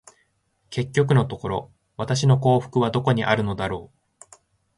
結局のところ、私の幸福はどこにあるのだろう。